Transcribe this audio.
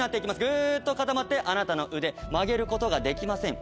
ぐっと固まってあなたの腕曲げることができません。